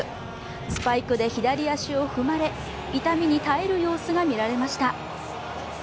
スパイクで左足を踏まれ、痛みに耐える様子が見られました。